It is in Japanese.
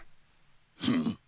フン。